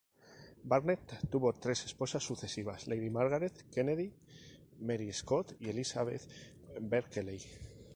Burnet tuvo tres esposas sucesivas: Lady Margaret Kennedy, Mary Scott y Elizabeth Berkeley.